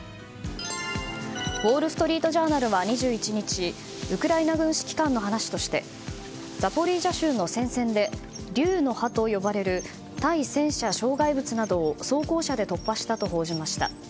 ウォール・ストリート・ジャーナルは２１日ウクライナ軍指揮官の話としてザポリージャ州の戦線で竜の歯と呼ばれる対戦車障害物などを装甲車で突破したと報じました。